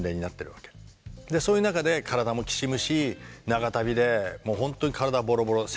そういう中で体もきしむし長旅でもうほんとに体ボロボロ。